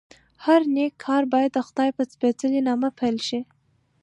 هر نېک کار باید دخدای په سپېڅلي نامه پیل شي.